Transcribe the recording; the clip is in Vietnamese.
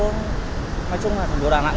nói chung là thành phố đà nẵng